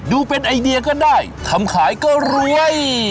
ดูเป็นไอเดียก็ได้ทำขายก็รวย